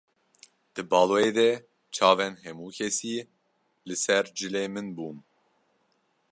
Di baloyê de çavên hemû kesî li ser cilê min bûn.